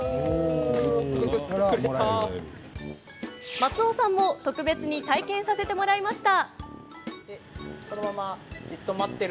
松尾さんも特別に体験させてもらいました。